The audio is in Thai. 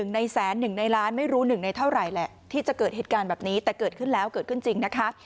ในแสนหนึ่งในล้านไม่รู้หนึ่งในเท่าไหร่แหละที่จะเกิดเหตุการณ์แบบนี้แต่เกิดขึ้นแล้วเกิดขึ้นจริงนะคะ